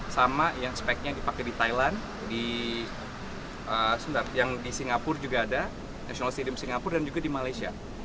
sama yang speknya dipakai di thailand yang di singapura juga ada national stadium singapura dan juga di malaysia